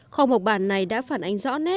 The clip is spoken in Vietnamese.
kho mộc bản này đã phản ánh rõ nét